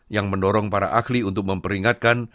yang mendorong para ahli untuk memperingatkan